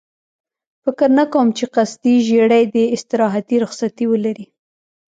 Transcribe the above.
فکر نه کوم چې قصدي ژېړی دې استراحتي رخصتي ولري.